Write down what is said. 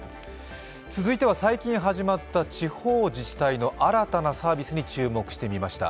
続いては最近始まった地方自治体の新たなサービスに注目して見ました。